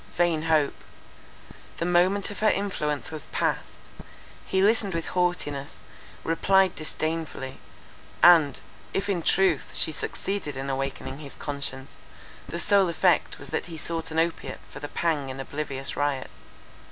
—Vain hope! The moment of her influence was passed. He listened with haughtiness, replied disdainfully; and, if in truth, she succeeded in awakening his conscience, the sole effect was that he sought an opiate for the pang in oblivious riot.